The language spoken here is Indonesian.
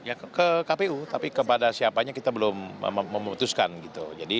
ya ke kpu tapi kepada siapanya kita belum memutuskan gitu